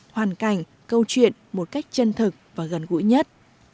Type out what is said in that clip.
hoàn cảnh câu chuyện một cách chân thực và gần gũi nhất